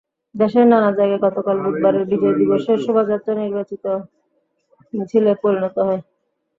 দেশের নানা জায়গায় গতকাল বুধবারের বিজয় দিবসের শোভাযাত্রা নির্বাচনী মিছিলে পরিণত হয়।